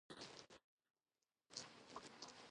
تاریخ د افغان کورنیو د دودونو مهم عنصر دی.